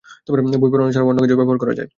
বই পোড়ানো ছাড়াও অন্য কাজেও ব্যবহার করা যায়!